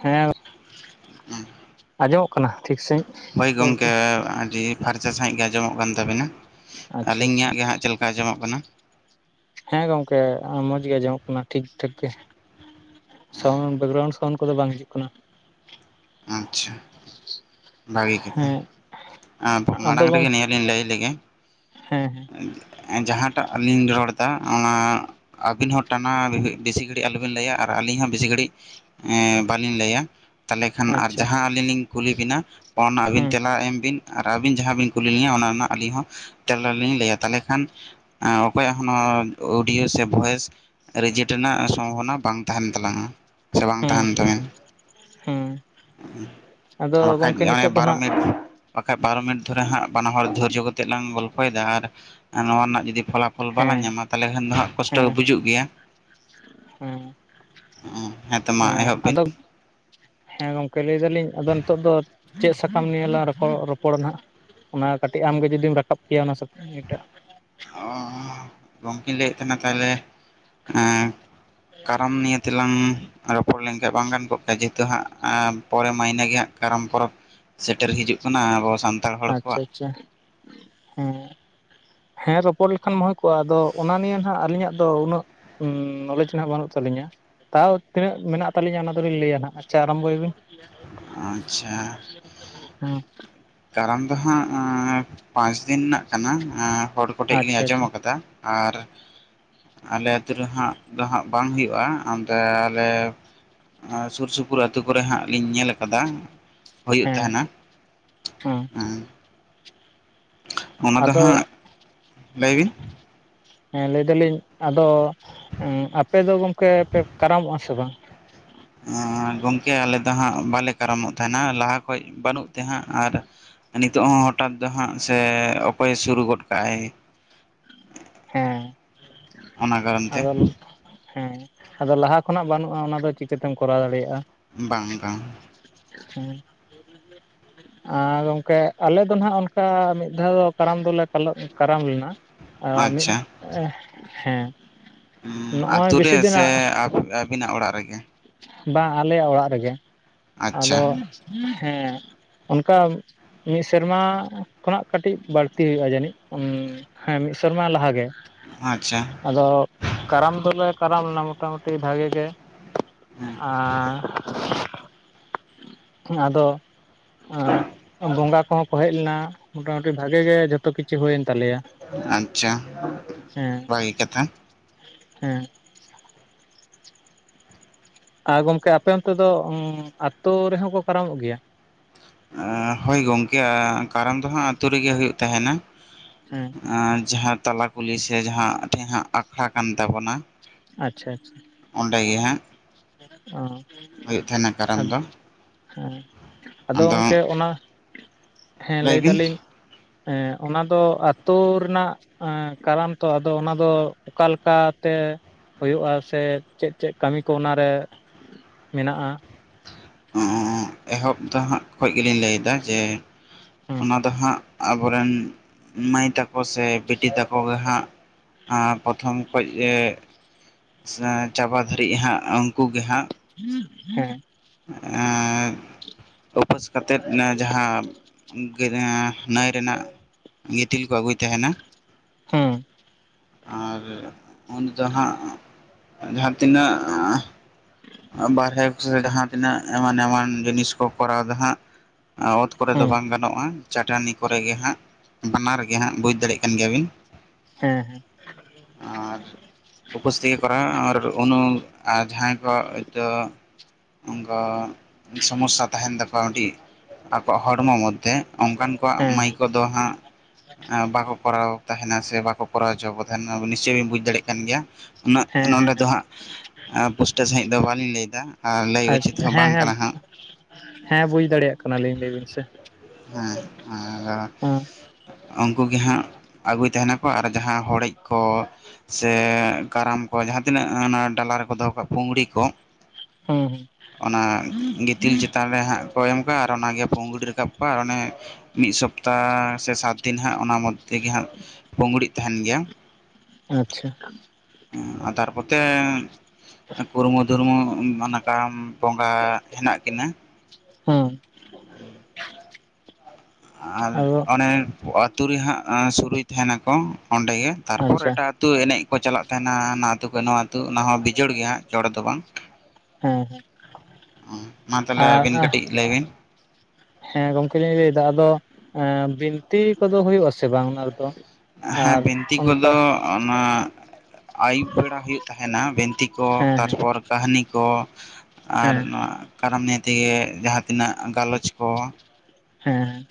ᱦᱮᱸ ᱟᱡᱚᱢᱚᱜ ᱠᱟᱱᱟ ᱴᱷᱤᱠ ᱥᱟᱺᱦᱤᱡ ᱦᱳᱭ ᱨᱚᱲ ᱠᱚ ᱜᱚᱢᱠᱮ ᱟᱹᱰᱤ ᱯᱷᱟᱨᱪᱟ ᱥᱟᱹᱦᱤᱡ ᱜᱮ ᱟᱸᱡᱚᱢᱚᱜ ᱠᱟᱱ ᱛᱟᱵᱤᱱᱟ᱾ ᱟᱪᱪᱷᱟ ᱟᱪᱪᱷᱟ᱾ ᱟᱹᱞᱤᱧᱟᱜ ᱜᱮ ᱦᱟᱸᱜ ᱪᱮᱫ ᱞᱮᱠᱟ ᱟᱸᱡᱚᱢᱚᱜ ᱠᱟᱱᱟ ᱦᱮᱸ ᱜᱚᱝᱠᱮ ᱢᱚᱸᱡᱽ ᱜᱮ ᱟᱸᱡᱚᱢᱚᱜ ᱠᱟᱱᱟ ᱴᱷᱤᱠ ᱴᱷᱟᱠ ᱜᱮ᱾ ᱥᱟᱣᱩᱱᱰ ᱵᱮᱜᱨᱟᱣᱩᱱᱰ ᱥᱟᱣᱩᱱᱰ ᱠᱚᱫᱚ ᱵᱟᱝ ᱦᱤᱡᱩᱜ ᱠᱟᱱᱟ᱾ ᱟᱪᱪᱷᱟ᱾ ᱵᱷᱟᱹᱜᱤ ᱠᱟᱛᱷᱟ, ᱦᱮᱸ ᱟ ᱟᱫᱚ ᱢᱟᱲᱟᱝ ᱜᱚᱢ ᱨᱮᱜᱮ ᱱᱤᱭᱟᱹ ᱞᱤᱧ ᱞᱟᱹᱭ ᱞᱮᱜᱮ ᱦᱮᱸ ᱦᱮᱸ ᱡᱟᱦᱟᱸᱴᱟᱜ ᱞᱤᱧ ᱨᱚᱲᱫᱟ ᱚᱱᱟ ᱟᱹᱵᱤᱱ ᱦᱚᱸ ᱴᱟᱱᱟ ᱵᱮᱥᱤ ᱜᱷᱟᱹᱲᱤᱡ ᱟᱞᱚᱵᱤᱱ ᱞᱟᱹᱭᱟ ᱟᱨ ᱟᱹᱞᱤᱧ ᱦᱚᱸ ᱵᱮᱥᱤ ᱜᱷᱟᱹᱲᱤᱡ ᱮᱸ ᱵᱟᱹᱞᱤᱧ ᱞᱟᱹᱭᱟ᱾ ᱛᱟᱦᱚᱸᱞᱮ ᱠᱷᱟᱱ ᱟᱨ ᱟᱪᱪᱷᱟ ᱡᱟᱦᱟᱸ ᱟᱹᱞᱤᱧ ᱞᱤᱧ ᱠᱩᱞᱤ ᱵᱤᱱᱟ ᱚᱱᱟ ᱟᱹᱵᱤᱱ ᱦᱩᱸ ᱛᱮᱞᱟ ᱮᱢ ᱵᱤᱱ ᱟᱨ ᱟᱹᱵᱤᱱ ᱡᱟᱦᱟᱸ ᱵᱤᱱ ᱠᱩᱞᱤ ᱞᱤᱧᱟ ᱚᱱᱟ ᱨᱮᱱᱟᱜ ᱟᱹᱞᱤᱧ ᱦᱚᱸ ᱛᱮᱞᱟ ᱞᱤᱧ ᱞᱟᱹᱭᱟ ᱛᱟᱦᱚᱸᱞᱮ ᱠᱷᱟᱱ ᱚᱠᱚᱭᱟᱜ ᱦᱚᱸ ᱱᱚᱣᱟ ᱚᱰᱤᱭᱳ ᱥᱮ ᱵᱷᱚᱭᱮᱥ ᱨᱮᱡᱮᱠᱴ ᱨᱮᱱᱟᱜ ᱥᱚᱢᱵᱷᱚᱵᱚᱱᱟ ᱵᱟᱝ ᱛᱟᱦᱮᱸᱱ ᱛᱟᱞᱟᱝᱟ ᱥᱮ ᱵᱟᱝ ᱦᱩᱸ ᱛᱟᱦᱮᱱ ᱛᱟᱵᱮᱱ ᱦᱩᱸ ᱟᱫᱚ [unintelligible] ᱵᱟᱠᱷᱟᱡ ᱜᱚᱢᱠᱮ ᱱᱤᱛᱚᱜ ᱫᱚ ᱱᱟᱜ ᱵᱟᱨᱚ ᱢᱤᱱᱤᱴ ᱫᱷᱚᱨᱮ ᱦᱟᱸᱜ ᱵᱟᱱᱟ ᱦᱚᱲ ᱫᱷᱨᱡᱚ ᱠᱟᱛᱮᱫ ᱞᱟᱝ ᱜᱚᱞᱯᱷᱚᱭᱮᱫᱟ, ᱟᱨ ᱱᱚᱣᱟ ᱨᱮᱱᱟᱜ ᱡᱩᱫᱤ ᱯᱷᱚᱞᱟᱯ ᱯᱷᱚᱞ ᱵᱟᱞᱟᱝ ᱦᱮᱸ ᱧᱟᱢᱟ ᱛᱟᱦᱚᱸᱞᱮ ᱠᱷᱟᱱ ᱫᱚ ᱦᱟᱸᱜ ᱠᱚᱥᱴᱚ ᱦᱮᱸ ᱵᱩᱡᱩᱜ ᱜᱮᱭᱟ᱾ ᱮ ᱦᱮᱸᱛᱚ ᱢᱟ ᱮᱦᱚᱵ ᱵᱤᱱ ᱟᱫᱚ ᱦᱮᱸ ᱜᱚᱝᱠᱮ ᱞᱟᱹᱭ ᱫᱟᱞᱤᱧ ᱟᱫᱚ ᱱᱤᱛᱚᱜ ᱫᱚ ᱪᱮᱫ ᱥᱟᱠᱟᱢ ᱱᱤᱭᱟᱹ ᱞᱟᱝ ᱨᱚᱯᱚᱲ ᱨᱚᱯᱚᱲᱟ ᱱᱟᱜ ᱚᱱᱟ ᱠᱟᱹᱴᱤᱡ ᱟᱢᱜᱮ ᱡᱩᱫᱤᱢ ᱨᱟᱠᱟᱵ ᱠᱮᱭᱟ ᱚᱱᱟ ᱥᱟᱛ [unintelligible] ᱴᱟᱜ ᱚ ᱜᱚᱝᱠᱮᱧ ᱞᱟᱹᱭᱮᱫ ᱛᱟᱦᱮᱸᱱᱟ ᱛᱟᱦᱚᱸᱞᱮ ᱮ ᱠᱟᱨᱟᱢ ᱱᱤᱭᱮ ᱛᱮᱞᱟᱝ ᱨᱚᱯᱚᱲ ᱞᱮᱱᱠᱷᱟᱡ ᱵᱟᱝ ᱜᱟᱱ ᱠᱚᱜ ᱠᱮᱜ-ᱟ ᱡᱮᱛᱩ ᱦᱟᱸᱜ ᱟ ᱯᱚᱨᱮ ᱢᱟᱹᱭᱤᱱᱮ ᱜᱮ ᱦᱟᱸᱜ ᱠᱟᱨᱟᱢ ᱯᱚᱨᱚᱵ ᱥᱮᱴᱮᱨ ᱦᱤᱡᱩᱜ ᱠᱟᱱᱟ ᱟᱵᱚ ᱥᱟᱱᱛᱟᱲ ᱦᱚᱲ ᱟᱪᱪᱷᱟ ᱠᱚᱣᱟᱜ ᱟᱪᱪᱷᱟ ᱦᱮᱸ᱾ ᱦᱮᱸ ᱨᱚᱯᱚᱲ ᱞᱮᱠᱷᱟᱱ ᱢᱟ ᱦᱩᱭ ᱠᱚᱜ-ᱟ ᱟᱫᱚ ᱚᱱᱟ ᱱᱤᱭᱮ ᱱᱟᱦᱟᱸᱜ ᱟᱹᱞᱤᱧᱟᱜ ᱫᱚ ᱩᱱᱟᱹᱜ ᱦᱩᱸ ᱱᱚᱞᱮᱡᱽ ᱦᱟᱸᱜ ᱵᱟᱹᱱᱩᱜ ᱛᱟᱹᱞᱤᱧᱟ, ᱛᱟᱣ ᱛᱤᱱᱟᱹᱜ ᱢᱮᱱᱟᱜ ᱛᱟᱹᱞᱤᱧᱟ ᱚᱱᱟ ᱫᱚᱞᱤᱧ ᱞᱟᱹᱭᱟ ᱦᱟᱸᱜ ᱟᱪᱪᱷᱟ ᱟᱨᱟᱢᱵᱚᱭ ᱵᱤᱱ ᱟᱪᱪᱷᱟ [unintelligible] ᱠᱟᱨᱟᱢ ᱫᱚ ᱦᱟᱸᱜ ᱯᱟᱸᱪ ᱫᱤᱱ ᱨᱮᱱᱟᱜ ᱠᱟᱱᱟ᱾ ᱟ ᱦᱚᱲ ᱠᱚᱴᱷᱮᱡ ᱞᱤᱧ ᱟᱪᱪᱷᱟ ᱟᱸᱡᱚᱢ ᱟᱪᱪᱷᱟ ᱟᱠᱟᱫᱟ᱾ ᱟᱨ᱾ ᱟᱞᱮ ᱟᱛᱳ ᱨᱮ ᱦᱟᱸᱜ ᱫᱚ ᱦᱟᱸᱜ ᱵᱟᱝ ᱦᱩᱭᱩᱜ-ᱟ ᱚᱱᱛᱮ ᱟᱞᱮ ᱥᱩᱨ ᱥᱩᱯᱩᱨ ᱟᱹᱛᱩ ᱠᱚᱨᱮ ᱦᱟᱸᱜ ᱞᱤᱧ ᱧᱮᱞ ᱟᱠᱟᱫᱟ᱾ ᱦᱮᱸ ᱦᱩᱸ᱾ ᱦᱮᱸ᱾ ᱟᱫᱚ᱾ ᱞᱟᱹᱭᱵᱤᱱ᱾ ᱦᱮᱸ ᱞᱟᱹᱭᱫᱟᱞᱤᱧ ᱟᱫᱚ ᱟᱯᱮ ᱫᱚ ᱜᱚᱝᱠᱮ ᱯᱮ ᱠᱟᱨᱟᱢᱚᱜ-ᱟ ᱥᱮ ᱵᱟᱝ? ᱜᱚᱢᱠᱮ ᱟᱞᱮ ᱫᱚ ᱦᱟᱸᱜ ᱵᱟᱞᱮ ᱠᱟᱨᱟᱢᱚᱜ ᱛᱟᱦᱮᱸᱱᱟ ᱞᱟᱦᱟ ᱠᱷᱚᱡ ᱵᱟᱹᱱᱩᱜ ᱛᱮ ᱦᱟᱸᱜ ᱟᱨ ᱱᱤᱛᱚᱜ ᱦᱚᱸ ᱦᱚᱴᱟᱛ ᱫᱚ ᱦᱟᱸᱜ ᱥᱮ ᱚᱠᱚᱭ ᱮ ᱥᱩᱨᱩ ᱜᱚᱫ ᱠᱟᱜ-ᱟᱭ᱾ ᱦᱮᱸ ᱚᱱᱟ ᱠᱟᱨᱚᱱ ᱛᱮ ᱟᱫᱚᱞ ᱦᱮᱸ ᱟᱫᱚ ᱞᱟᱦᱟ ᱠᱷᱚᱱᱟᱜ ᱵᱟᱹᱱᱩᱜ-ᱟ ᱚᱱᱟ ᱫᱚ ᱪᱤᱠᱟᱹᱛᱮᱢ ᱠᱚᱨᱟᱣ ᱫᱟᱲᱮᱭᱟᱜ-ᱟ᱾ ᱵᱟᱝ ᱵᱟᱝ᱾ ᱦᱩᱸ [inaudible] ᱟᱨ ᱜᱚᱝᱠᱮ ᱟᱞᱮ ᱫᱚ ᱱᱟᱦᱟᱜ ᱚᱱᱠᱟ ᱢᱤᱫ ᱫᱷᱟᱣ ᱫᱚ ᱠᱟᱲᱟᱢ ᱫᱚᱞᱮ ᱠᱟᱞᱚᱜ ᱠᱟᱨᱟᱢ ᱞᱮᱱᱟ᱾ ᱟ ᱢᱤᱫ ᱟᱪᱪᱷᱟ ᱮᱸ ᱦᱮᱸ᱾ ᱦᱩᱸᱢ ᱱᱚᱜᱼᱚᱭ ᱟᱛᱩ ᱨᱮ ᱵᱮᱥᱤ ᱥᱮ ᱫᱤᱱᱟᱜ ᱟᱵ-ᱟᱹᱵᱤᱱᱟᱜ ᱚᱲᱟᱜ ᱨᱮᱜᱮ? ᱵᱟᱝ ᱟᱞᱮᱭᱟᱜ ᱚᱲᱟᱜ ᱨᱮᱜᱮ, ᱟᱪᱪᱷᱟ ᱟᱫᱚ ᱦᱮᱸ᱾ ᱚᱱᱠᱟ ᱢᱤᱫ ᱥᱮᱨᱢᱟ ᱠᱷᱚᱱᱟᱜ ᱠᱟᱹᱴᱤᱡ ᱵᱟᱹᱲᱛᱤ ᱦᱩᱭᱩᱜᱼᱟ ᱡᱟᱹᱱᱤᱡ ᱩᱱ ᱦᱮᱸ ᱢᱤᱫ ᱥᱮᱨᱢᱟ ᱞᱟᱦᱟ ᱜᱮ᱾ ᱟᱪᱪᱷᱟ᱾ ᱟᱫᱚ ᱠᱟᱨᱟᱢ ᱫᱚᱞᱮ ᱠᱟᱨᱟᱢ ᱞᱮᱱᱟ ᱢᱚᱴᱟᱢᱩᱴᱤ ᱵᱷᱟᱜᱮ ᱜᱮ᱾ ᱦᱮᱸ ᱟᱸ ᱟᱫᱚ ᱟᱸᱜ ᱵᱚᱸᱜᱟ ᱠᱚᱦᱚᱸ ᱠᱚ ᱦᱮᱡ ᱞᱮᱱᱟ ᱢᱚᱴᱟᱟᱢᱩᱴᱤ ᱵᱷᱟᱜᱮ ᱜᱮ ᱡᱚᱛᱚ ᱠᱤᱪᱷᱩ ᱦᱩᱭᱮᱱ ᱛᱟᱞᱮᱭᱟ᱾ ᱟᱪᱪᱷᱟ ᱦᱮᱸ ᱵᱷᱟᱹᱜᱤ ᱠᱟᱛᱷᱟ᱾ ᱦᱮᱸ᱾ ᱟᱨ ᱜᱚᱢᱠᱮ ᱟᱯᱮ ᱚᱱᱛᱮ ᱫᱚ ᱩᱸ ᱟᱹᱛᱩ ᱨᱮᱦᱚᱸ ᱠᱚ ᱠᱟᱨᱟᱢᱚᱜ ᱜᱮᱭᱟ? ᱮᱸ ᱦᱳᱭ ᱜᱚᱢᱠᱮ ᱮ ᱠᱟᱨᱟᱢ ᱫᱚ ᱦᱟᱸᱜ ᱟᱛᱳ ᱨᱮᱜᱮ ᱦᱩᱭᱩᱜ ᱛᱟᱦᱮᱱᱟ᱾ ᱦᱮᱸ᱾ ᱟᱸ ᱡᱟᱦᱟᱸ ᱛᱟᱞᱟ ᱠᱩᱞᱦᱤ ᱥᱮ ᱡᱟᱦᱟᱸ ᱴᱷᱮᱱ ᱦᱟᱸᱜ ᱟᱠᱷᱲᱟ ᱠᱟᱱ ᱛᱟᱵᱚᱱᱟ᱾ ᱟᱪᱪᱷᱟ ᱟᱪᱪᱷᱟ᱾ ᱚᱰᱮ ᱜᱮ ᱦᱟᱸᱜ᱾ ᱚ ᱦᱩᱭᱩᱜ ᱛᱟᱦᱮᱱᱟ ᱠᱟᱨᱟᱢ ᱟᱫ ᱫᱚ ᱦᱮᱸ ᱟᱫᱚ ᱜᱚᱢᱠᱮ ᱚᱱᱟ ᱦᱮᱸ ᱞᱟᱹᱭ ᱫᱟᱞᱤᱧ ᱮᱸ ᱚᱱᱟ ᱫᱚ ᱟᱹᱛᱩ ᱨᱮᱱᱟᱜ ᱮᱸ ᱠᱟᱨᱚᱢ ᱛᱚ ᱟᱫᱚ ᱚᱱᱟ ᱫᱚ ᱚᱠᱟᱞᱮᱠᱟ ᱛᱮ ᱦᱩᱭᱩᱜᱼᱟ, ᱥᱮ ᱪᱮᱫ ᱪᱮᱫ ᱠᱟᱹᱢᱤ ᱠᱚ ᱚᱱᱟᱨᱮ ᱢᱮᱱᱟᱜᱼᱟ? ᱚᱸ ᱮᱦᱚᱵ ᱫᱚ ᱦᱟᱸᱜ ᱠᱷᱚᱡ ᱜᱮᱞᱤᱧ ᱞᱟᱹᱭᱫᱟ ᱡᱮ ᱦᱩᱸ᱾ ᱟᱫᱚ ᱦᱟᱸᱜ ᱟᱵᱚᱨᱮᱱ ᱢᱟᱹᱭ ᱛᱟᱠᱚ ᱥᱮ ᱵᱤᱴᱤ ᱛᱟᱠᱚ ᱜᱮ ᱦᱟᱸᱜ ᱟᱸ ᱯᱨᱚᱛᱷᱚᱢ ᱠᱷᱚᱡ ᱜᱮ ᱥᱟᱸ ᱪᱟᱵᱟ ᱫᱷᱟᱹᱨᱤᱡ ᱦᱟᱸᱜ ᱩᱱᱠᱩ ᱜᱮ ᱦᱟᱸᱜ᱾ ᱦᱮᱸ᱾ ᱮᱸᱜ ᱩᱯᱟᱹᱥ ᱠᱟᱛᱮᱫ ᱚᱱᱮ ᱡᱟᱦᱟᱸ ᱜᱟᱹᱭ ᱮᱸ ᱱᱟᱹᱭ ᱨᱮᱱᱟᱜ ᱜᱤᱛᱤᱞ ᱠᱚ ᱟᱹᱜᱩᱭ ᱛᱟᱦᱮᱱᱟ᱾ ᱦᱩᱸ᱾ ᱟᱨ ᱩᱱ ᱫᱚ ᱦᱟᱸᱜ ᱡᱟᱦᱟᱸ ᱛᱤᱱᱟᱹᱜ ᱵᱟᱨᱦᱮ ᱠᱚ ᱥᱮ ᱡᱟᱦᱟᱸ ᱛᱤᱱᱟᱹᱜ ᱮᱢᱟᱱ ᱮᱢᱟᱱ ᱡᱤᱱᱤᱥ ᱠᱚ ᱠᱚᱨᱟᱣ ᱫᱚ ᱦᱟᱜ, ᱟᱸ ᱚᱛ ᱠᱚᱨᱮ ᱫᱚ ᱦᱮᱸ ᱵᱟᱝ ᱜᱟᱱᱚᱜᱼᱟ, ᱪᱟᱹᱴᱟᱹᱱᱤ ᱠᱚᱨᱮ ᱜᱮ ᱦᱟᱸᱜ᱾ ᱵᱟᱱᱟᱨ ᱜᱮ ᱦᱟᱸᱜ ᱵᱩᱡᱽ ᱫᱟᱲᱮᱜ ᱠᱟᱱ ᱜᱮᱭᱟᱵᱤᱱ᱾ ᱦᱮᱸ ᱦᱮᱸ᱾ ᱟᱨ ᱩᱯᱟᱹᱥ ᱛᱮᱜᱮ ᱠᱚᱨᱟᱣᱢᱮ ᱟᱨ ᱩᱱᱩᱢ ᱟᱨ ᱡᱟᱦᱟᱸᱭ ᱜᱚᱜ ᱦᱚᱭᱛᱚ ᱚᱱᱠᱟ ᱥᱚᱢᱚᱥᱥᱟ ᱛᱟᱦᱮᱱ ᱛᱟᱠᱚᱣᱟ ᱢᱤᱫᱴᱤᱡ ᱟᱠᱚᱣᱟᱜ ᱦᱚᱲᱢᱚ ᱢᱚᱫᱽ ᱛᱮ ᱚᱱᱠᱟᱱ ᱠᱚᱣᱟᱜ ᱢᱟᱹᱭ ᱦᱮᱸ ᱠᱚᱫᱚ ᱦᱟᱸᱜ ᱟᱸ ᱵᱟᱠᱚ ᱠᱚᱨᱟᱣ ᱛᱟᱦᱮᱱᱟ ᱥᱮ ᱵᱟᱠᱚ ᱠᱚᱨᱟᱣ ᱦᱚᱪᱚᱣᱟᱠᱚ ᱛᱟᱦᱮᱱᱟ, ᱱᱤᱥᱪᱳᱭ ᱵᱤᱱ ᱵᱩᱡ ᱫᱟᱲᱮᱭᱟᱜ ᱠᱟᱱ ᱜᱮᱭᱟ᱾ ᱩᱱᱟᱹᱜ ᱦᱮᱸ ᱱᱚᱸᱰᱮ ᱦᱮᱸ ᱫᱚ ᱦᱮᱸ ᱦᱟᱸᱜ ᱟ ᱯᱩᱥ ᱴᱟᱹ ᱥᱟᱺᱦᱤᱡ ᱫᱚ ᱵᱟᱹᱞᱤᱧ ᱞᱟᱹᱭᱮᱫᱟ ᱟᱨ ᱞᱟᱹᱭ ᱩᱪᱤᱛ ᱟᱪᱪᱷᱟ ᱦᱚᱸ ᱦᱮᱸ ᱵᱟᱝ ᱦᱮᱸ ᱠᱟᱱᱟ ᱦᱟᱸᱜ᱾ ᱦᱮᱸ ᱵᱩᱡ ᱫᱟᱲᱮᱭᱟᱜ ᱠᱟᱱᱟ ᱞᱤᱧ, ᱞᱟᱹᱭ ᱵᱤᱱ ᱥᱮ᱾ ᱦᱮᱸ ᱟᱫᱚ ᱦᱮᱸ ᱩᱱᱠᱩ ᱜᱮ ᱦᱟᱸᱜ ᱟᱹᱜᱩᱭ ᱛᱟᱦᱮᱸᱱᱟᱠᱚ ᱟᱨ ᱡᱟᱦᱟᱸ ᱦᱚᱲᱮᱡᱽ ᱠᱚ ᱥᱮ, ᱠᱟᱨᱟᱢ ᱠᱚ ᱡᱟᱦᱟᱸ ᱛᱤᱱᱟᱹᱜ ᱚᱱᱟ ᱰᱟᱞᱟ ᱨᱮᱠᱚ ᱫᱚᱦᱚ ᱠᱟᱜᱼᱟ ᱯᱩᱝᱲᱤ ᱠᱚ, ᱦᱮᱸ ᱚᱱᱟ, ᱜᱤᱛᱤᱞ ᱪᱮᱛᱟᱱ ᱨᱮ ᱦᱟᱸᱜ ᱠᱚ ᱮᱢ ᱠᱟᱜᱼᱟ ᱟᱨ ᱚᱱᱟᱜᱮ ᱯᱩᱝᱜᱲᱤ ᱨᱟᱠᱟᱵ ᱟᱨ ᱚᱱᱮ, ᱢᱤᱫ ᱥᱚᱯᱛᱟᱻ ᱥᱮ ᱥᱟᱛ ᱫᱤᱱ ᱦᱟᱸᱜ ᱚᱱᱟ ᱢᱚᱫᱽᱫᱷᱮ ᱜᱮ ᱦᱟᱸᱜ ᱯᱩᱝᱜᱲᱤ ᱛᱟᱦᱮᱸᱱ ᱜᱮᱭᱟ᱾ ᱟᱪᱪᱷᱟ᱾ ᱟᱨ ᱛᱟᱨᱯᱚᱛᱮ ᱠᱩᱨᱢᱩ-ᱫᱩᱨᱢᱩ ᱱᱟᱜᱟᱢ ᱵᱚᱸᱜᱟ ᱦᱮᱱᱟᱜ ᱠᱤᱱᱟ᱾ ᱦᱩᱸ᱾ [inaudible] ᱟᱨ ᱟᱫᱚ ᱚᱱᱮ ᱟᱛᱳ ᱨᱮ ᱦᱟᱸᱜ ᱥᱩᱨᱩᱭ ᱛᱟᱦᱮᱸᱱᱟᱠᱚ ᱚᱸᱰᱮ ᱜᱮ, ᱛᱟᱨᱯᱚᱨ ᱟᱪᱪᱷᱟ ᱮᱴᱟᱜ ᱟᱹᱛᱩ ᱮᱱᱮᱡᱽ ᱠᱚ ᱪᱟᱞᱟᱜ ᱛᱟᱦᱮᱸᱱᱟ ᱦᱟᱱᱟ ᱟᱹᱛᱩ ᱠᱚᱡ ᱱᱚᱣᱟ ᱟᱹᱛᱩ ᱚᱱᱟ ᱦᱚᱸ ᱵᱤᱡᱳᱲ ᱜᱮᱦᱟᱸᱜ ᱡᱚᱲ ᱫᱚ ᱵᱟᱝ᱾ ᱦᱮᱸ ᱦᱮᱸ ᱦᱩᱸ ᱢᱟ ᱛᱟᱦᱞᱮ ᱟᱹᱵᱤᱱ ᱟᱨ ᱠᱟᱹᱴᱤᱡᱽ ᱞᱟᱹᱭ ᱵᱤᱱ? ᱦᱮᱸ ᱜᱚᱝᱠᱮ ᱞᱤᱧ ᱞᱟᱹᱭᱫᱟ ᱟᱫᱚ, ᱮᱸ ᱵᱤᱱᱛᱤ ᱠᱚᱫᱚ ᱦᱳᱭᱳᱜ ᱟᱥᱮ ᱵᱟᱝ ᱚᱱᱟ ᱨᱮᱫᱚ? ᱦᱮᱸ ᱟᱨ ᱵᱤᱱᱛᱤ ᱚᱱᱠᱟ ᱠᱚᱫᱚ ᱚᱱᱟ ᱟᱹᱭᱩᱵᱽ ᱵᱮᱲᱟ ᱦᱩᱭᱩᱜ ᱛᱟᱦᱮᱸᱱᱟ ᱵᱤᱱᱛᱤ ᱠᱚ, ᱦᱮᱸ ᱦᱮᱸ ᱛᱟᱨᱯᱚᱨ ᱠᱟᱹᱦᱱᱤ ᱠᱚ, ᱟᱨ ᱦᱮᱸ ᱱᱚᱣᱟ ᱠᱟᱨᱟᱢ ᱱᱤᱭᱮ ᱛᱮᱜᱮ ᱡᱟᱦᱟᱸ ᱛᱤᱱᱟᱹᱜ ᱜᱟᱞᱚᱪ ᱠᱚ᱾ ᱦᱮᱸ᱾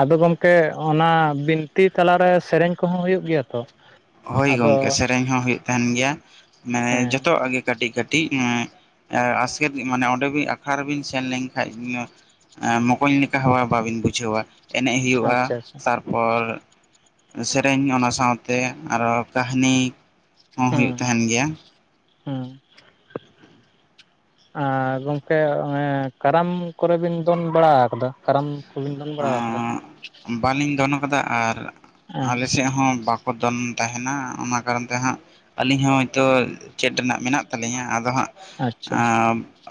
ᱟᱫᱚ ᱜᱚᱢᱠᱮ ᱚᱱᱟ ᱵᱤᱱᱛᱤ ᱛᱟᱞᱟᱨᱮ ᱥᱮᱨᱮᱧ ᱠᱚᱦᱚᱸ ᱦᱩᱭᱩᱜ ᱜᱮᱭᱟ ᱛᱚ? ᱦᱳᱭ ᱟᱫᱚ ᱜᱚᱝᱠᱮ ᱥᱮᱨᱮᱧ ᱦᱚᱸ ᱦᱩᱭᱩᱜ ᱛᱟᱦᱮᱸᱱ ᱜᱮᱭᱟ, ᱢᱟᱱᱮ ᱦᱮᱸ ᱡᱚᱛᱚᱣᱟᱜ ᱜᱮ᱾ ᱠᱟᱹᱴᱤᱡᱽ ᱠᱟᱹᱴᱤᱡᱽ ᱮᱸ ᱟᱥᱠᱮᱛ ᱢᱟᱱᱮ ᱚᱸᱰᱮ ᱵᱤᱱ ᱟᱠᱷᱲᱟ ᱨᱮᱵᱤᱱ ᱥᱮᱱ ᱞᱮᱱᱠᱷᱟᱡ ᱟᱸ ᱢᱚᱠᱚᱧ ᱞᱮᱠᱟ ᱦᱚᱸ ᱵᱟᱵᱤᱱ ᱵᱩᱡᱷᱟᱹᱣᱟ ᱮᱱᱮᱡᱽ ᱦᱩᱭᱩᱜᱼᱟ, ᱟᱪᱪᱷᱟ ᱟᱪᱪᱷᱟ ᱛᱟᱨᱯᱚᱨ ᱥᱮᱨᱮᱧ ᱚᱱᱟ ᱥᱟᱶᱛᱮ ᱟᱨᱚ ᱠᱟᱹᱦᱱᱤ ᱦᱚᱸ ᱦᱩᱭᱩᱜ ᱛᱟᱦᱮᱸᱱ ᱜᱮᱭᱟ᱾ ᱦᱩᱸ᱾ [inaudible] ᱟᱨ ᱜᱚᱝᱠᱮ ᱮᱻ ᱠᱟᱨᱟᱢ ᱠᱚᱨᱮ ᱵᱤᱱ ᱫᱚᱱ ᱵᱟᱲᱟ ᱟᱠᱟᱫᱟ ᱠᱟᱨᱟᱢ? ᱠᱚᱵᱤᱱ ᱫᱚᱱ ᱵᱟᱲᱟ ᱟᱠᱟᱫᱟ ᱵᱟᱹᱞᱤᱧ ᱫᱚᱱ ᱠᱟᱫᱟ ᱟᱨ ᱦᱮᱸ ᱟᱞᱮ ᱥᱮᱫ ᱦᱚᱸ ᱵᱟ ᱠᱚ ᱫᱚᱱ ᱛᱟᱦᱮᱸᱱᱟ ᱚᱱᱟ ᱠᱟᱨᱚᱱ ᱛᱮ ᱦᱟᱸᱜ ᱟᱹᱞᱤᱧ ᱦᱚᱸ ᱦᱚᱭᱛᱚ ᱪᱮᱰ ᱨᱮᱱᱟᱜ ᱢᱮᱱᱟᱜ ᱛᱟᱹᱞᱤᱧᱟ ᱟᱫᱚ ᱦᱟᱸᱜ ᱟᱪᱪᱷᱟ ᱟᱻ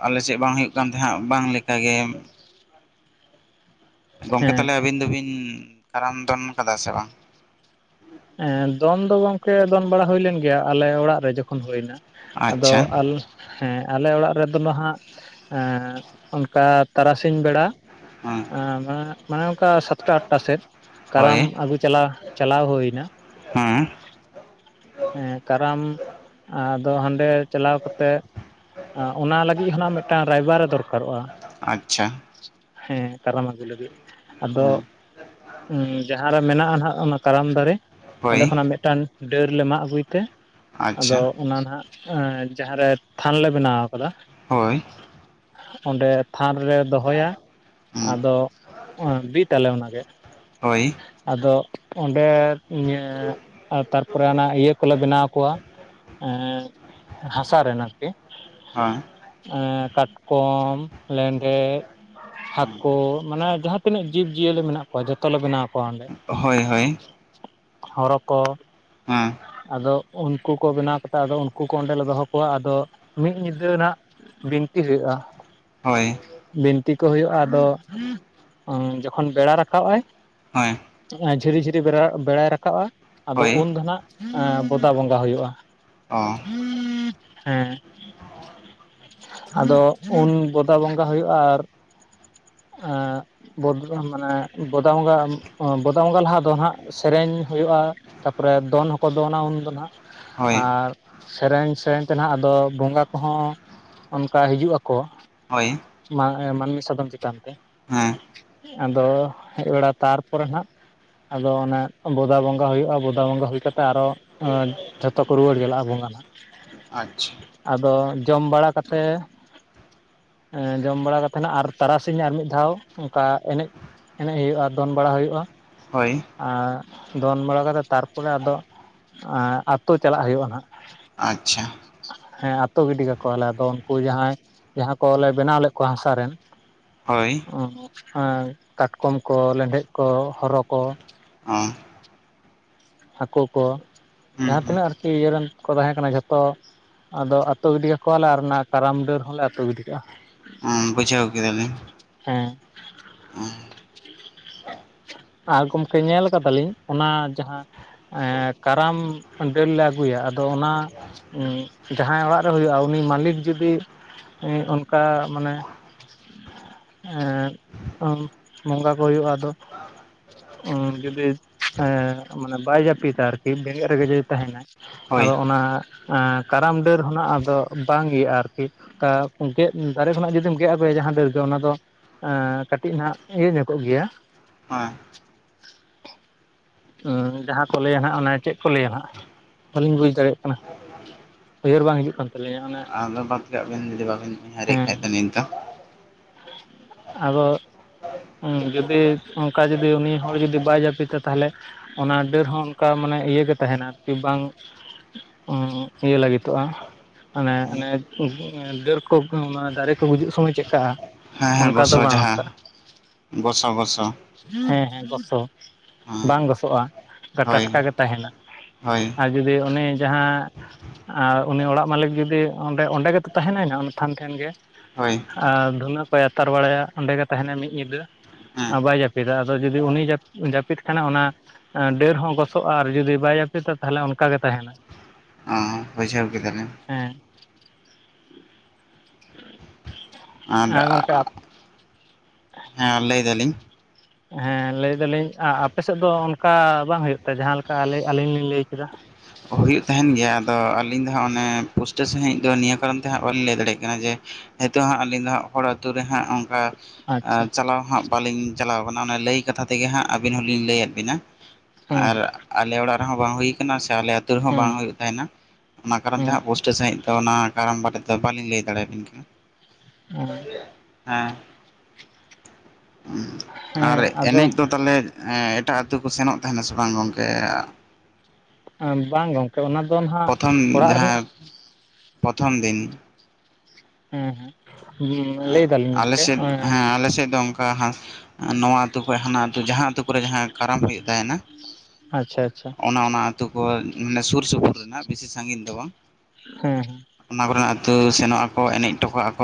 ᱟᱞᱮᱥᱮᱫ ᱵᱟᱝ ᱦᱩᱭᱩᱜ ᱠᱟᱱ ᱛᱟᱦᱮᱸᱜ-ᱟ ᱵᱟᱝ ᱞᱮᱠᱟ ᱜᱮ᱾ ᱜᱚᱢᱠᱮ ᱛᱟᱦᱞᱮ ᱟᱹᱵᱤᱱ ᱫᱚᱵᱤᱱ ᱠᱟᱨᱟᱢ ᱫᱚᱱ ᱟᱠᱟᱫᱟ ᱥᱮ ᱵᱟᱝ? ᱦᱮᱸ ᱫᱚᱱ ᱫᱚ ᱜᱚᱝᱠᱮ ᱫᱚᱱ ᱵᱟᱲᱟ ᱦᱩᱭ ᱞᱮᱱ ᱜᱮᱭᱟ, ᱟᱞᱮ ᱚᱲᱟᱜ ᱨᱮ ᱡᱚᱠᱷᱚᱱ ᱦᱩᱭᱱᱟ᱾ ᱟᱫᱚ ᱟᱪᱪᱷᱟ ᱟᱞ ᱦᱮᱸ ᱟᱞᱮ ᱚᱲᱟᱜ ᱨᱮᱫᱚ ᱱᱟᱦᱟᱜ ᱮᱻ ᱚᱱᱠᱟ ᱛᱟᱨᱟᱥᱤᱸᱧ ᱵᱮᱲᱟ ᱦᱮᱸ ᱟᱻ ᱢᱟᱱᱮ ᱢᱟᱱᱮ ᱚᱱᱠᱟ ᱥᱟᱛᱴᱟ ᱟᱴᱴᱟ ᱥᱮᱫ ᱠᱟᱨᱟᱢ ᱦᱳᱭ ᱟᱹᱜᱩ ᱪᱟᱞᱟ ᱪᱟᱞᱟᱣ ᱦᱩᱭᱱᱟ ᱦᱮᱸ ᱦᱮᱸ ᱠᱟᱨᱟᱢ ᱟᱫᱚ ᱦᱟᱸᱰᱮ ᱪᱟᱞᱟᱣ ᱠᱟᱛᱮ, ᱟᱸ ᱚᱱᱟ ᱞᱟᱹᱜᱤ ᱦᱚᱱᱟᱜ ᱢᱤᱫᱴᱟᱝ ᱨᱟᱭᱵᱟᱨᱮ ᱫᱚᱨᱠᱟᱨᱚᱜᱼᱟ᱾ ᱟᱪᱪᱷᱟ᱾ ᱦᱮᱸ ᱠᱟᱨᱟᱢ ᱟᱹᱜᱩᱭ ᱞᱟᱹᱜᱤᱫ ᱟᱫᱚ ᱦᱮᱸ ᱡᱟᱦᱟᱸ ᱨᱮ ᱢᱮᱱᱟᱜᱼᱟ ᱱᱟᱦᱟᱸᱜ ᱚᱱᱟ ᱠᱟᱨᱟᱢ ᱫᱟᱨᱮ, ᱚᱸᱰᱮ ᱦᱳᱭ ᱠᱷᱚᱱᱟᱜ ᱢᱤᱫᱴᱟᱱ ᱰᱟᱹᱨ ᱞᱮ ᱢᱟᱜᱽ ᱟᱹᱜᱩᱭ ᱛᱮ ᱟᱫᱚ ᱟᱪᱪᱷᱟ ᱚᱱᱟ ᱱᱟᱸᱜ ᱡᱟᱦᱟᱸᱨᱮ ᱛᱷᱟᱱ ᱞᱮ ᱵᱮᱱᱟᱣ ᱟᱠᱟᱫᱟ ᱦᱳᱭ᱾ ᱚᱸᱰᱮ ᱛᱷᱟᱱ ᱨᱮᱞᱮ ᱫᱚᱦᱚᱭᱟ ᱦᱮᱸ ᱟᱫᱚ ᱵᱤᱫᱽ ᱟᱞᱮ ᱚᱱᱟᱜᱮ᱾ ᱦᱳᱭ᱾ ᱟᱫᱚ ᱚᱸᱰᱮ ᱤᱭᱟᱹ ᱛᱟᱨ ᱤᱭᱟᱹ ᱠᱚᱞᱮ ᱵᱮᱱᱟᱣ ᱠᱚᱣᱟ ᱮᱻ ᱦᱟᱥᱟ ᱨᱮᱱ ᱟᱨᱠᱤ᱾ ᱦᱚᱭ ᱮᱻ ᱠᱟᱴᱠᱚᱢ, ᱞᱮᱸᱰᱮᱫ, ᱦᱟᱠᱳ ᱢᱟᱱᱮ ᱡᱟᱦᱟᱸ ᱛᱤᱱᱟᱹᱜ ᱡᱤᱵᱽᱡᱤᱭᱟᱹᱞᱤ ᱢᱮᱱᱟᱜ ᱠᱚᱣᱟ ᱡᱷᱚᱛᱚ ᱞᱮ ᱵᱮᱱᱟᱣ ᱠᱚᱣᱟ ᱚᱸᱰᱮ᱾ ᱦᱚᱭ ᱦᱚᱭ ᱦᱚᱨᱚ ᱠᱚ ᱦᱮᱸ ᱟᱫᱚ ᱩᱱᱠᱩ ᱠᱚ ᱵᱮᱱᱟᱣ ᱠᱟᱛᱮᱫ ᱟᱫᱚ ᱩᱱᱠᱩ ᱠᱚ ᱚᱸᱰᱮᱞ ᱞᱮ ᱫᱚᱦᱚ ᱠᱚᱣᱟ ᱟᱫᱚ ᱢᱤᱫ ᱧᱤᱫᱟᱹ ᱱᱟᱦᱟᱜ ᱵᱤᱱᱛᱤ ᱦᱩᱭᱩᱜᱼᱟ᱾ ᱦᱳᱭ ᱵᱤᱱᱛᱤ ᱠᱚ ᱦᱩᱭᱩᱜᱼᱟ ᱟᱫᱚ ᱡᱚᱠᱷᱚᱱ ᱵᱮᱲᱟ ᱨᱟᱠᱟᱵ ᱟᱭ ᱦᱳᱭ ᱟ ᱡᱷᱤᱨᱤ ᱡᱷᱤᱨᱤ ᱵᱮᱲᱟᱭ ᱨᱟᱠᱟᱵᱼᱟ ᱟᱫᱚ ᱦᱳᱭ ᱩᱱ ᱫᱚᱱᱟᱜ ᱮᱸ ᱵᱚᱫᱟ ᱵᱚᱸᱜᱟ ᱦᱩᱭᱩᱜᱼᱟ ᱚ ᱦᱮᱸ᱾ ᱟᱫᱚ ᱩᱱ ᱵᱚᱫᱟ ᱵᱚᱸᱜᱟ ᱦᱩᱭᱩᱜᱼᱟ ᱟᱨ ᱮ‍ᱸ ᱢᱟᱱᱮ ᱵᱚᱫᱟ ᱵᱚᱸᱜᱟ ᱵᱚᱫᱟ ᱵᱚᱸᱜᱟ ᱞᱟᱦᱟ ᱫᱚ ᱦᱟᱸᱜ ᱥᱮᱨᱮᱧ ᱦᱩᱭᱩᱜᱼᱟ ᱛᱟᱯᱚᱨᱮ ᱫᱚᱱ ᱦᱚᱸᱠᱚ ᱫᱚᱱᱟ ᱩᱱ ᱫᱚ ᱦᱳᱭ ᱦᱟᱜ᱾ ᱥᱮᱨᱮᱧ ᱥᱮᱨᱮᱧ ᱛᱮ ᱱᱟᱦᱟᱜ ᱟᱫᱚ ᱵᱚᱸᱜᱟ ᱠᱚᱦᱚᱸ ᱚᱱᱠᱟ ᱦᱤᱡᱩᱜ ᱟᱠᱚ᱾ ᱦᱳᱭ ᱢᱟ ᱢᱟᱹᱱᱢᱤ ᱥᱟᱫᱚᱢ ᱪᱮᱛᱟᱱ ᱛᱮ᱾ ᱦᱮᱸ ᱟᱫᱚ ᱦᱮᱡ ᱵᱟᱲᱟ ᱛᱟᱨᱯᱚᱨᱮ ᱱᱟᱦᱟᱸᱜ ᱟᱫᱚ ᱚᱱᱮ ᱵᱚᱫᱟ ᱵᱚᱸᱜᱟ ᱦᱩᱭᱩᱜᱼᱟ ᱵᱚᱫᱟ ᱵᱚᱸᱜᱟ ᱦᱩᱭ ᱠᱟᱛᱮᱜ ᱛᱮ ᱟᱨᱚ ᱡᱷᱚᱛᱚ ᱠᱚ ᱨᱩᱣᱟᱹᱲ ᱪᱟᱞᱟᱜᱼᱟ ᱵᱚᱸᱜᱟ᱾ ᱟᱪᱪᱷᱟ ᱟᱫᱚ ᱡᱚᱢ ᱵᱟᱲᱟ ᱠᱟᱛᱮ ᱮ ᱡᱚᱢ ᱵᱟᱲᱟ ᱠᱟᱛᱮ ᱱᱷᱟᱜ ᱟᱨ ᱛᱟᱨᱟᱥᱤᱧ ᱟᱨ ᱢᱤᱫ ᱫᱷᱟᱣ ᱚᱱᱠᱟ ᱮᱱᱮᱡ ᱮᱱᱮᱡ ᱦᱩᱭᱩᱜᱼᱟ ᱫᱚᱱ ᱵᱟᱲᱟ ᱦᱩᱭᱩᱜᱼᱟ᱾ ᱦᱳᱭ ᱟᱨ ᱫᱚᱱ ᱵᱟᱲᱟ ᱠᱟᱛᱮ ᱛᱟᱨᱯᱚᱨᱮ ᱟᱫᱚ ᱟ ᱟᱛᱳ ᱪᱟᱞᱟᱜ ᱦᱩᱭᱩᱜᱼᱟ ᱱᱷᱟᱜ᱾ ᱟᱪᱪᱷᱟ᱾ ᱦᱮᱸ ᱟᱛᱳ ᱜᱤᱰᱤ ᱠᱟᱠᱚᱣᱟᱞᱮ ᱟᱫᱚ ᱩᱱᱠᱩ ᱡᱟᱦᱟᱸᱭ-ᱼ ᱡᱟᱦᱟᱸ ᱠᱚᱞᱮ ᱵᱮᱱᱟᱣ ᱞᱮᱫ ᱠᱚᱣᱟ ᱦᱟᱸᱥᱟᱨ ᱨᱮᱱ᱾ ᱦᱳᱭ᱾ ᱮᱸ ᱠᱟᱴᱠᱚᱢ ᱠᱚ ᱞᱮᱸᱰᱮᱫ ᱠᱚ ᱦᱚᱨᱚ ᱠᱚ᱾ ᱚᱸ [inaudible] ᱦᱟᱹᱠᱩ ᱠᱚ ᱦᱩᱸ ᱡᱟᱦᱟᱸ ᱦᱩᱸ ᱛᱤᱱᱟᱹᱜ ᱟᱨᱠᱤ ᱤᱭᱟᱹ ᱨᱮᱱ ᱠᱚ ᱛᱟᱦᱮᱸ ᱠᱟᱱᱟ ᱡᱷᱚᱛᱚ ᱟᱫᱚ ᱟᱹᱛᱩ ᱜᱤᱰᱤ ᱠᱟᱠᱚᱣᱟᱞᱮ ᱟᱨ ᱚᱱᱟ ᱠᱟᱨᱟᱢ ᱰᱟᱹᱨ ᱦᱚᱸᱞᱮ ᱟᱹᱛᱩ ᱜᱤᱰᱤ ᱠᱟᱜᱼᱟ᱾ ᱩᱸᱡ ᱵᱩᱡᱷᱟᱹᱣ ᱠᱮᱫᱟᱞᱤᱧ᱾ ᱦᱮᱸ ᱦᱳᱢ [inaudible] ᱟᱨ ᱜᱚᱢᱠᱮ ᱧᱮᱞ ᱠᱟᱫᱟᱞᱤᱧ ᱚᱱᱟ ᱡᱟᱦᱟᱸ ᱮ ᱠᱟᱨᱟᱢ ᱰᱟᱹᱨᱞ ᱞᱮ ᱟᱹᱜᱩᱭᱟ᱾ ᱟᱫᱚ ᱚᱱᱟ ᱡᱟᱦᱟᱸᱭ ᱚᱲᱟᱜ ᱨᱮ ᱦᱩᱭᱩᱜᱼᱟ ᱩᱱᱤ ᱢᱟᱹᱞᱤᱠ ᱡᱩᱫᱤ ᱚᱱᱠᱟ ᱢᱟᱱᱮ, ᱵᱚᱸᱜᱟ ᱠᱚ ᱦᱩᱭᱩᱜᱼᱟ ᱟᱫᱚ᱾ ᱩᱸ ᱡᱩᱫᱤ ᱮᱸ ᱢᱟᱱᱮ ᱵᱟᱭ ᱡᱟᱯᱤᱫᱟ ᱟᱨᱠᱤ ᱵᱮᱸᱜᱮᱫ ᱨᱮᱜᱮ ᱡᱩᱫᱤ ᱛᱟᱦᱮᱱᱟᱭ ᱟᱫᱚ ᱦᱳᱭ ᱚᱱᱟ ᱠᱟᱨᱟᱢ ᱰᱟᱹᱨ ᱦᱚᱸᱱᱟᱜ ᱟᱫᱚ ᱵᱟᱝ ᱤᱭᱟᱹᱜᱼᱟ ᱟᱨᱠᱤ, ᱠᱟ ᱜᱮᱫ ᱫᱟᱨᱮ ᱠᱷᱚᱱᱟᱜ ᱡᱩᱫᱤᱢ ᱜᱮᱫ ᱟᱹᱜᱩᱭᱟ ᱡᱟᱦᱟᱸ ᱰᱟᱹᱨ ᱜᱮ ᱚᱱᱟ ᱫᱚ ᱮᱸ ᱠᱟᱹᱴᱤᱡ ᱱᱷᱟᱜ ᱤᱭᱟᱹ ᱧᱚᱜᱚᱜ ᱜᱮᱭᱟ᱾ ᱦᱮᱸ ᱡᱟᱦᱟᱸ ᱠᱚ ᱞᱮᱭᱟ ᱱᱟᱜᱷ ᱚᱱᱮ ᱪᱮᱫ ᱠᱚ ᱞᱮᱭᱟ ᱱᱟᱜᱷ ᱵᱟᱹᱞᱤᱧ ᱵᱩᱡ ᱫᱟᱲᱮᱭᱟᱜ ᱠᱟᱱᱟ᱾ ᱩᱭᱦᱟᱹᱨ ᱵᱟᱝ ᱦᱤᱡᱩᱜ ᱠᱟᱱᱟ᱾ ᱨᱮᱭ ᱚᱱᱟ, ᱟᱫᱚ ᱵᱟᱛ ᱠᱟᱜ ᱵᱤᱱ ᱡᱩᱫᱤ ᱵᱟᱵᱤᱱ ᱩᱭᱦᱟᱹᱨᱮᱜ ᱠᱷᱟᱡ ᱫᱚ ᱱᱤᱛ ᱫᱚ᱾ ᱟᱫᱚ, ᱦᱩᱸ ᱡᱩᱫᱤ ᱚᱱᱠᱟ ᱡᱩᱫᱤ ᱩᱱᱤ ᱦᱚᱲ ᱡᱩᱫᱤ ᱵᱟᱭ ᱡᱟᱯᱤᱫᱟ ᱛᱟᱦᱞᱮ ᱚᱱᱟ ᱰᱟᱹᱨ ᱦᱚᱸ ᱚᱱᱠᱟ ᱢᱟᱱᱮ ᱤᱭᱟᱹᱜᱮ ᱛᱟᱦᱮᱱᱟ᱾ ᱟᱨᱠᱤ ᱵᱟᱝ ᱩᱸ ᱤᱭᱟᱹ ᱞᱟᱹᱜᱤᱛᱚᱜᱼᱟ ᱾ ᱢᱟᱱᱮ ᱚᱱᱮ ᱰᱟᱹᱨ ᱠᱚ ᱫᱟᱨᱮ ᱠᱚ ᱜᱩᱡᱩᱜ ᱥᱚᱢᱚᱭ ᱪᱮᱫᱠᱟᱜᱼᱟ ᱾ ᱦᱮᱸ ᱦᱮᱸ ᱜᱚᱥᱚ ᱡᱟᱦᱟ, ᱸ ᱜᱚᱥᱚ ᱜᱚᱥᱚ, ᱦᱮᱸ ᱦᱮᱸ ᱜᱚᱥᱚ ᱦᱮᱸ ᱵᱟᱝ ᱜᱚᱥᱚᱜᱼᱟ ᱾ ᱦᱳᱭ ᱴᱟᱴᱠᱟ ᱜᱮ ᱛᱟᱦᱮᱱᱟ, ᱦᱳᱭ ᱟᱨ ᱡᱩᱫᱤ ᱚᱱᱮ ᱡᱟᱦᱟᱸ ᱟᱨ ᱩᱱᱤ ᱚᱲᱟᱜ ᱢᱟᱹᱞᱤᱠ ᱡᱩᱫᱤ ᱚᱸᱰᱮ ᱚᱸᱰᱮ ᱜᱮᱛᱚ ᱛᱟᱦᱮᱱᱟᱭ ᱱᱟᱜ ᱚᱰᱮ ᱛᱷᱟᱱ ᱴᱷᱮᱱ ᱜᱮ, ᱦᱳᱭ᱾ ᱟᱨ ᱫᱷᱩᱱᱟᱹ ᱠᱚᱭ ᱟᱛᱟᱨ ᱵᱟᱲᱟᱭᱟ, ᱚᱸᱰᱮ ᱜᱮ ᱛᱟᱦᱮᱱᱟᱭ ᱢᱤᱫ ᱧᱤᱫᱟᱹ᱾ ᱦᱮᱸ ᱵᱟᱭ ᱡᱟᱯᱤᱫᱟ ᱟᱫᱚ ᱡᱩᱫᱤ ᱩᱱᱤ ᱡᱟᱯᱤ ᱡᱟᱯᱤᱫ ᱠᱷᱟᱱᱮ ᱚᱱᱟ ᱰᱟᱹᱨ ᱦᱚᱸ ᱜᱚᱥᱚᱜᱼᱟ, ᱟᱨ ᱵᱟᱭ ᱡᱟᱯᱤᱫᱟ ᱛᱟᱦᱟᱞᱮ ᱚᱱᱠᱟ ᱜᱮ ᱛᱟᱦᱮᱱᱟ ᱾ ᱵᱩᱡᱷᱟᱹᱣ ᱠᱮᱫᱟᱞᱤᱧ᱾ ᱦᱮᱸ᱾ ᱟᱨ ᱟᱜᱻ ᱦᱮᱸ ᱞᱮᱭ ᱫᱟᱞᱤᱧ ᱦᱮᱸ ᱞᱮᱭᱫᱟᱞᱤᱧ ᱟᱼᱟᱯᱮᱥᱮᱫ ᱫᱚ ᱚᱱᱠᱟ ᱵᱟᱝ ᱦᱩᱭᱩᱜ ᱛᱮ ᱡᱟᱸᱦᱟᱸ ᱞᱮᱠᱟ ᱟᱼᱟᱹᱞᱤᱧ ᱞᱤᱧ ᱞᱮᱭ ᱠᱮᱫᱟ? ᱦᱩᱭᱩᱜ ᱛᱟᱦᱮᱱ ᱜᱮᱭᱟ ᱟᱫᱚ ᱟᱹᱞᱤᱧ ᱫᱚ ᱦᱟᱸᱜ ᱚᱱᱮ ᱯᱩᱥᱴᱟᱹᱣ ᱥᱟᱺᱦᱤᱡ ᱫᱚ ᱱᱤᱭᱟᱹ ᱠᱟᱨᱚᱱ ᱛᱮ ᱦᱟᱸᱜ ᱵᱟᱹᱞᱤᱧ ᱞᱟᱹᱭ ᱫᱟᱲᱮᱭᱟᱜ ᱠᱟᱱᱟ᱾ ᱡᱮ ᱦᱤᱛᱚᱜ ᱦᱟᱸᱜ ᱟᱹᱞᱤᱧ ᱫᱚ ᱦᱟᱸᱜ ᱦᱚᱲ ᱟᱛᱩ ᱨᱮ ᱦᱟᱸᱜ ᱚᱱᱠᱟ ᱟᱪᱪᱷᱟ ᱟ ᱪᱟᱞᱟᱣ ᱦᱚᱸ ᱦᱟᱸᱜ ᱵᱟᱹᱞᱤᱧ ᱪᱟᱞᱟᱣ ᱠᱟᱱᱟ, ᱚᱱᱮ ᱞᱮᱭ ᱠᱟᱛᱷᱟ ᱛᱮᱜᱮ ᱦᱟᱸᱜ ᱟᱹᱵᱤᱱ ᱦᱚᱸᱞᱤᱧ ᱞᱮᱭᱟᱫ ᱵᱤᱱᱟ ᱾ ᱦᱮᱸ ᱟᱨ ᱟᱞᱮ ᱚᱲᱟᱜ ᱨᱮᱦᱚᱸ ᱵᱟᱝ ᱦᱩᱭ ᱠᱟᱱᱟ ᱥᱮ ᱟᱞᱮ ᱛᱟᱹᱨ ᱦᱚᱸ ᱵᱟᱝ ᱦᱮᱸ ᱦᱩᱭᱩᱜ ᱛᱟᱦᱮᱱᱟ, ᱚᱱᱟ ᱠᱟᱨᱚᱱ ᱛᱮ ᱦᱮᱸ ᱦᱟᱸᱜ ᱯᱩᱥᱴᱟᱹ ᱥᱟᱹᱦᱤᱡ ᱫᱚ ᱚᱱᱟ ᱠᱟᱨᱚᱱ ᱵᱟ ᱫᱚ ᱵᱟᱹᱞᱤᱧ ᱞᱟᱹᱭ ᱫᱟᱲᱮᱭᱟᱵᱤᱱ ᱠᱟᱱᱟ ᱾ ᱦᱮᱸ ᱟᱨ ᱦᱮᱸ ᱟᱫᱚ ᱮᱱᱮᱡ ᱫᱚ ᱛᱟᱦᱟᱞᱮ ᱮᱴᱟᱜ ᱟᱹᱛᱩ ᱠᱚ ᱥᱮᱱᱚᱜ ᱛᱟᱦᱮᱱᱟ ᱥᱮ ᱵᱟᱝ ᱜᱚᱢᱠᱮ? ᱵᱟᱝ ᱜᱚᱢᱠᱮ ᱚᱱᱟ ᱫᱚ ᱱᱟᱜ ᱚᱲᱟᱜ ᱨᱮᱱᱟᱜ᱾ ᱯᱚᱛᱷᱚᱢ ᱫᱤᱱ᱾ ᱦᱩᱸ ᱦᱩᱸ ᱟᱞᱮ ᱥᱮᱫ ᱦᱮᱸ ᱟᱞᱮ ᱥᱮᱫ ᱫᱚ ᱚᱱᱠᱟ, ᱱᱚᱣᱟ ᱟᱛᱩ ᱠᱷᱚᱡ ᱦᱟᱱᱟ ᱟᱛᱩ ᱡᱟᱦᱟᱸ ᱟᱹᱛᱩ ᱠᱚᱨᱮ ᱡᱟᱦᱟᱸ ᱠᱟᱨᱟᱢ ᱦᱩᱭᱩᱜ ᱛᱟᱦᱮᱱᱟ, ᱟᱪᱪᱷᱟ ᱟᱪᱪᱷᱟ ᱚᱱᱟ ᱚᱱᱟ ᱟᱹᱛᱩ ᱠᱚ ᱢᱟᱱᱮ ᱥᱩᱨ ᱼ ᱥᱩᱯᱩᱨ ᱨᱮᱱᱟᱜ ᱵᱤᱥᱤ ᱥᱟᱹᱜᱤᱧ ᱫᱚ ᱵᱟᱝ ᱦᱮᱸ ᱚᱱᱟ ᱠᱚᱨᱮᱱᱟᱜ ᱟᱹᱛᱩ ᱥᱮᱱᱚᱜ ᱟᱠᱚ ᱮᱱᱮᱡ ᱦᱚᱴᱚᱠᱟᱜᱼᱟᱠ᱾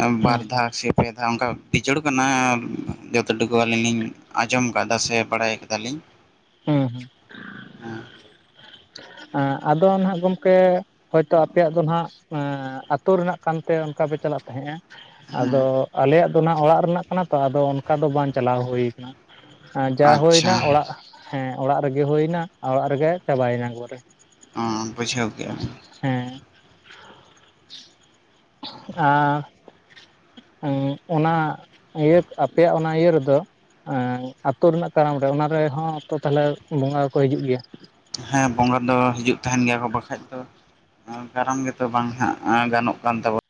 ᱟᱨ ᱵᱟᱨ ᱦᱮᱸ ᱫᱷᱟᱣ ᱥᱮ ᱯᱮ ᱫᱷᱟᱣ ᱚᱱᱠᱟ ᱵᱤᱪᱚᱲ ᱠᱟᱱᱟ ᱡᱚᱛᱚ ᱴᱩᱠᱩ ᱟᱹᱞᱤᱧ ᱞᱤᱧ ᱟᱸᱡᱚᱢ ᱠᱟᱫᱟ ᱥᱮ ᱵᱟᱲᱟᱭ ᱠᱟᱫᱟᱞᱤᱧ᱾ ᱦᱩᱸ ᱦᱩᱸ, ᱮᱸᱜ ᱟᱫᱚ ᱱᱟᱜ ᱜᱚᱢᱠᱮ ᱦᱳᱭᱛᱚ ᱟᱯᱮᱭᱟᱜ ᱫᱚ ᱱᱟᱦ ᱟᱛᱳ ᱨᱮᱱᱟᱜ ᱠᱟᱱᱛᱮ ᱚᱱᱠᱟ ᱯᱮ ᱪᱟᱞᱟᱜ ᱛᱟᱦᱮᱸᱜᱼᱟ ᱾ ᱦᱮᱸ ᱟᱫᱚ ᱟᱞᱮᱭᱟᱜ ᱫᱚ ᱱᱟᱜ ᱚᱲᱟᱜ ᱨᱮᱱᱟᱜ ᱠᱟᱱᱟ ᱛᱚ ᱟᱫᱚ ᱚᱱᱠᱟ ᱫᱚ ᱵᱟᱝ ᱪᱟᱞᱟᱣ ᱦᱳᱭ ᱠᱟᱱᱟ ᱾ ᱡᱟ ᱟᱪᱪᱷᱟ ᱦᱩᱭᱱᱟ ᱚᱲᱟᱜ ᱦᱮᱸ ᱚᱲᱟᱜ ᱨᱮᱜᱮ ᱦᱩᱭᱱᱟ, ᱚᱲᱟᱜ ᱨᱮᱜᱮ ᱪᱟᱵᱟᱭᱮᱱᱟ ᱮᱠᱵᱚᱨᱮ ᱾ ᱚᱸ ᱵᱩᱡᱷᱟᱹᱣ ᱠᱮᱜᱼᱟᱧ ᱾ ᱦᱮᱸ, ᱟᱨ [inaudible] ᱮᱸᱜ ᱚᱱᱟ ᱟᱹᱭᱟᱹᱛ ᱟᱯᱮᱭᱟᱜ ᱚᱱᱟ ᱤᱭᱟᱹ ᱨᱮᱫᱚ ᱮᱸᱜ ᱟᱹᱛᱳ ᱨᱮᱱᱟᱜ ᱠᱟᱨᱟᱢ ᱨᱮ ᱚᱱᱟ ᱨᱮᱦᱚᱸ ᱛᱚ ᱛᱟᱦᱞᱮ ᱵᱚᱸᱜᱟ ᱠᱚ ᱦᱤᱡᱩᱜ ᱜᱮᱭᱟ? ᱦᱮᱸ ᱵᱚᱸᱜᱟ ᱫᱚ ᱦᱤᱡᱩᱜ ᱛᱟᱦᱮᱱ ᱜᱮᱭᱟ ᱠᱚ ᱵᱟᱠᱷᱟᱡ ᱫᱚ ᱠᱟᱨᱟᱢ ᱜᱮᱛᱚ ᱵᱟᱝ ᱦᱟᱸᱜ ᱜᱟᱱᱚᱜ ᱠᱟᱱ ᱛᱟᱵᱚ